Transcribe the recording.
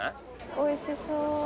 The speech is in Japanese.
おいしそう。